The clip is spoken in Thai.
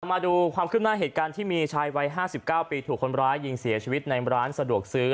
มาดูความขึ้นหน้าเหตุการณ์ที่มีชายวัย๕๙ปีถูกคนร้ายยิงเสียชีวิตในร้านสะดวกซื้อ